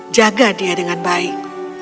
jaga dia dengan baik